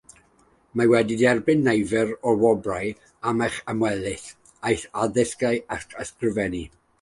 Mae wedi derbyn nifer o wobrau am ei ymchwil, ei addysgu a'i ysgrifennu.